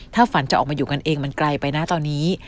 ถ้าฝันจะออกมาอยู่กันเองมันไกลไปนะตอนนี้